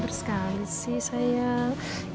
terima kasih sayang